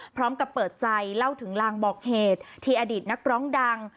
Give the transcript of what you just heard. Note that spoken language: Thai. พร้อมกับเปิดใจเล่าถึงลางบอกเหตุที่อดีตนักร้องดัง